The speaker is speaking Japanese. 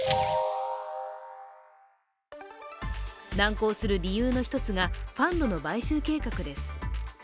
難航する理由の一つがファンドの買収計画です。